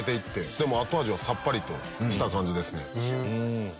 でも後味はさっぱりとした感じですね。